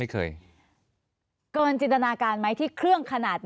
เคยเกินจินตนาการไหมที่เครื่องขนาดไหน